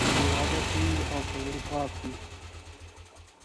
پر وعده ټینګ او په زړه پاک وي.